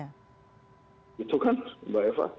gitu kan mbak eva